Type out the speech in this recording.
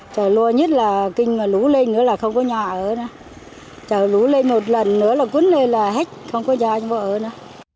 trở lũ lên một lần nữa là quấn lên là hết không có cho anh vợ nữa